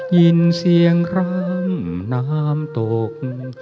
ยินเสียงร้องน้ำตก